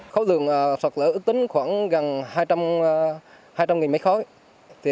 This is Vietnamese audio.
khấu đường sạt lở ước tính khoảng gần hai trăm linh mét khối